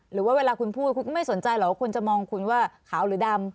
หรือว่าเวลาคุณพูดคุณก็ไม่สนใจหรอกว่าคนจะมองคุณว่าขาวหรือดำ